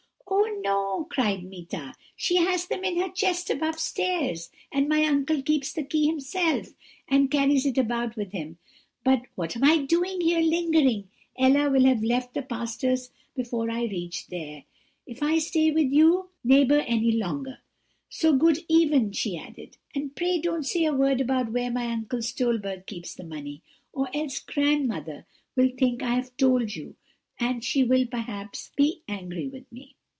"'Oh, no,' cried Meeta, 'she has them in her chest above stairs, and my uncle keeps the key himself, and carries it about with him; but what am I doing here, lingering? Ella will have left the pastor's before I have reached there, if I stay with you, neighbour, any longer. So good even,' she added, 'and pray don't say a word about where my Uncle Stolberg keeps the money, or else grandmother will think I have told you, and she will, perhaps, be angry with me.'